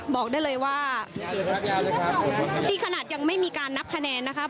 บอกได้เลยว่าที่ขนาดยังไม่มีการนับคะแนนนะครับ